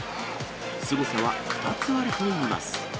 すごさは２つあるといいます。